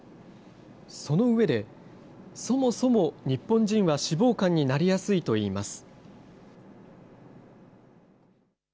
その上で、そもそも日本人は脂肪肝になりやすいといいます。